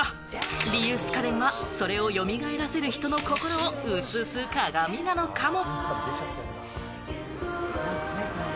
リユース家電は、それを蘇らせる人の心を映す鏡なのかも。